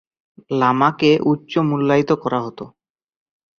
লামাকে উচ্চ মূল্যায়িত করা হতো।